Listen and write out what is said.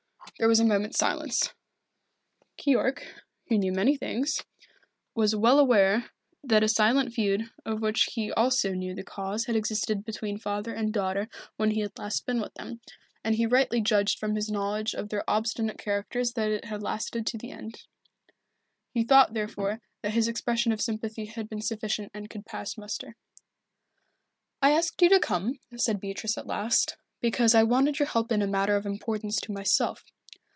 There was a moment's silence. Keyork, who knew many things, was well aware that a silent feud, of which he also knew the cause, had existed between father and daughter when he had last been with them, and he rightly judged from his knowledge of their obstinate characters that it had lasted to the end. He thought therefore that his expression of sympathy had been sufficient and could pass muster. "I asked you to come," said Beatrice at last, "because I wanted your help in a matter of importance to myself.